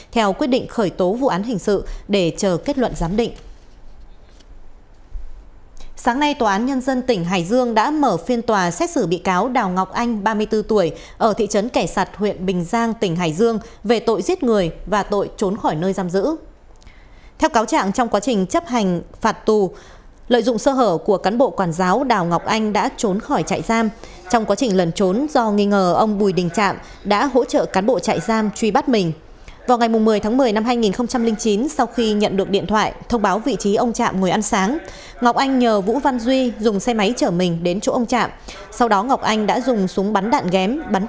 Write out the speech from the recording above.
tòa án nhân dân tỉnh hải dương tuyên đào ngọc anh tổng hình phạt hai mươi chín năm một mươi tháng hai mươi năm ngày tù giam